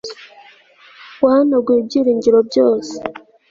wahanaguye ibyiringiro byose